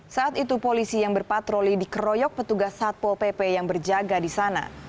saat itu polisi yang berpatroli dikeroyok petugas satpol pp yang berjaga di sana